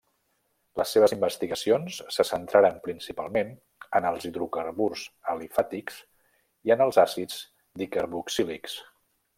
Les seves investigacions se centraren principalment en els hidrocarburs alifàtics i en els àcids dicarboxílics.